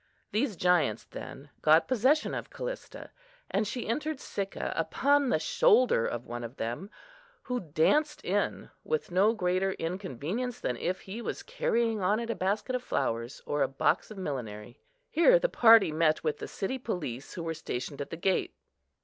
These giants, then, got possession of Callista, and she entered Sicca upon the shoulder of one of them, who danced in with no greater inconvenience than if he was carrying on it a basket of flowers, or a box of millinery. Here the party met with the city police, who were stationed at the gate.